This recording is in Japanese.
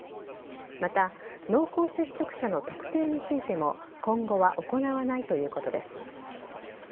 また、濃厚接触者の特定についても、今後は行わないということです。